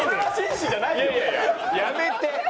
やめて。